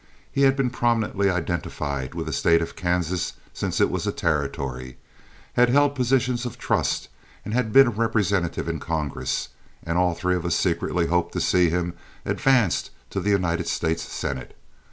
He had been prominently identified with the State of Kansas since it was a territory, had held positions of trust, and had been a representative in Congress, and all three of us secretly hoped to see him advanced to the United States Senate.